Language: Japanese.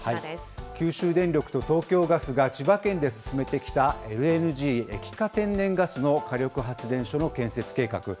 九州電力と東京ガスが、千葉県で進めてきた、ＬＮＧ・液化天然ガスの火力発電所の建設計画。